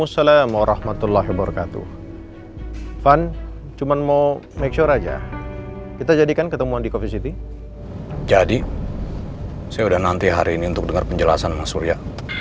sampai jumpa di video selanjutnya